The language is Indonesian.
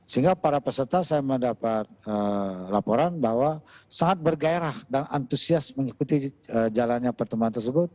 sehingga para peserta saya mendapat laporan bahwa sangat bergairah dan antusias mengikuti jalannya pertemuan tersebut